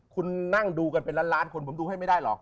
คุณนั่งดูกันเป็นล้านล้านคนผมดูให้ไม่ได้หรอก